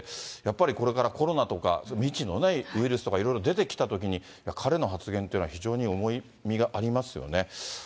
やっぱりこれからコロナとか、そういう未知のウイルスとか、いろいろ出てきたときに、彼の発言というのは非常に重みがありますよね。